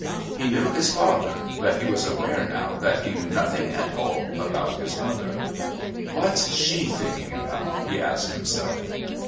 He knew his father, but he was aware now that he knew nothing at all about his mother. "What's she thinking about?" he asked himself.